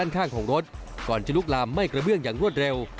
ก่อนจะลุกลามไหม้กระเบื้องอย่างรวดเร็ว